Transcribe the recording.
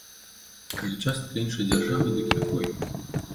Калі часткай іншай дзяржавы, дык якой?